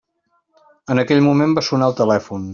En aquell moment va sonar el telèfon.